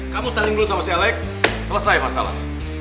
kamu tanding dulu sama si alec selesai masalah